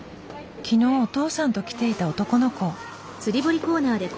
昨日お父さんと来ていた男の子。